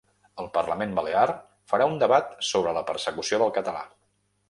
El parlament balear farà un debat sobre la persecució del català.